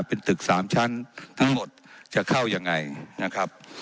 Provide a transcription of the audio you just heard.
เป็นตึกสามชั้นทั้งหมดจะเข้ายังไงนะครับ